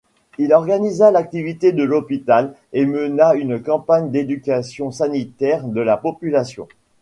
Il organisa l'activité de l'hôpital et mena une campagne d'éducation sanitaire de la population.